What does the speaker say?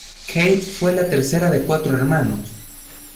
Kate fue la tercera de cuatro hermanos.